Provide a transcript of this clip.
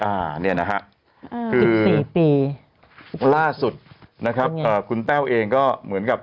อ่านี่นะฮะคือล่าสุดนะครับคุณแต้วเองก็เหมือนกับ